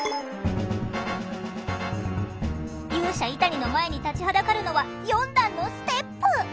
勇者イタニの前に立ちはだかるのは４段のステップ！